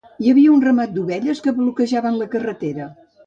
Hi havia un ramat d"ovelles que bloquejaven la carretera.